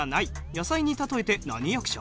野菜に例えて何役者？